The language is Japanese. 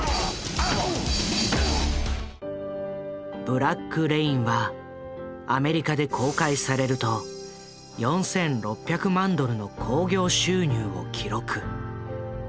「ブラック・レイン」はアメリカで公開されると４，６００万ドルの興行収入を記録。